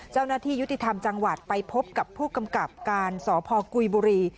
เจ้าหน้าที่ยุติธรรมจังหวัดไปพบกับผู้กำกับการสพกุยบุรี